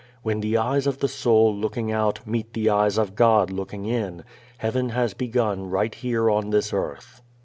When the eyes of the soul looking out meet the eyes of God looking in, heaven has begun right here on this earth.